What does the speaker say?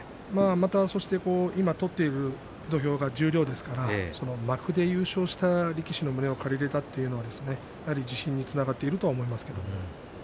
また、今取っている土俵が十両ですから幕で優勝した力士の胸を借りられたというのは自信につながっていると思います。